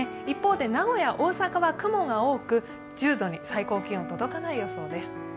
一方で名古屋、大阪は雲が多く１０度に最高気温、届かない予想です